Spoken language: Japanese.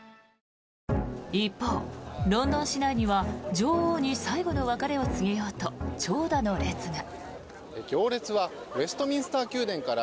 一方、ロンドン市内には女王に最後の別れを告げようと長蛇の列が。